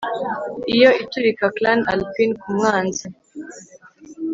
Iyo iturika Clan Alpine kumwanzi